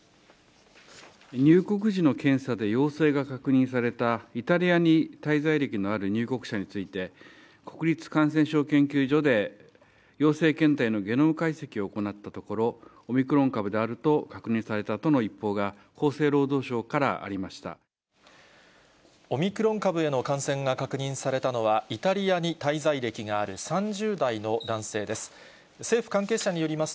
入国時の検査で陽性が確認されたイタリアに滞在歴のある入国者について、国立感染症研究所で陽性検体のゲノム解析を行ったところ、オミクロン株であると確認されたとの一報が、厚生労働省からありオミクロン株への感染が確認されたのは、イタリアに滞在歴がある３０代の男性です。